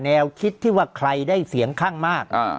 แนวคิดที่ว่าใครได้เสียงข้างมาก